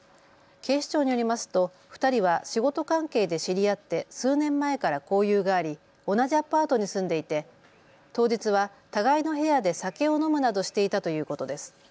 警視庁によりますと２人は仕事関係で知り合って数年前から交友があり同じアパートに住んでいて当日は互いの部屋で酒を飲むなどしていたということです。